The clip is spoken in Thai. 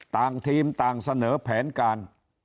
ต่างทีมต่างเสนอแผนการ